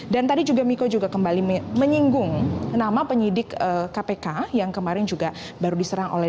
dan tadi juga miko juga kembali menyinggung nama penyidik kpk yang kemarin juga baru diserang oleh